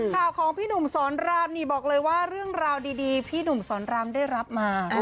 ข่าวของพี่หนุ่มสอนรามนี่บอกเลยว่าเรื่องราวดีพี่หนุ่มสอนรามได้รับมา